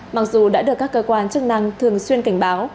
mặc dù đã được các cơ quan chức năng thường xuyên cảnh báo